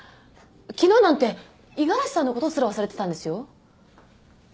昨日なんて五十嵐さんのことすら忘れてたんですよ？